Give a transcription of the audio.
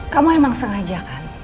kamu emang sengaja kan